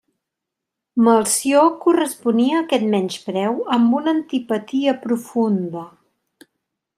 Melcior corresponia a aquest menyspreu amb una antipatia profunda.